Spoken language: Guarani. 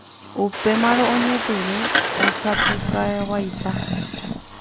Upémarõ oñepyrũ osapukaivaipa.